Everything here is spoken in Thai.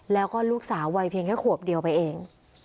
แล้วก็ลูกสาววัยเพียงแค่ขวบเดียวไปเอง